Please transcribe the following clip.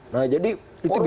nah jadi korupsi